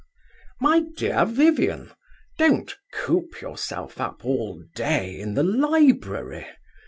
My dear Vivian, don't coop yourself up all day in the library.